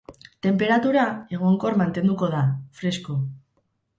Tenperatura egonkor mantenduko da, fresko.